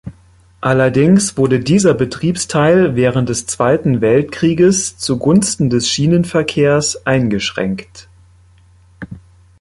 Allerdings wurde dieser Betriebsteil während des Zweiten Weltkrieges zugunsten des Schienenverkehrs eingeschränkt.